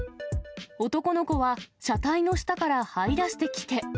男の子は車体の下からはい出してきて。